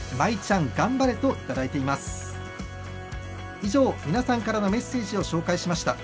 以上、皆さんからのメッセージをご紹介しました。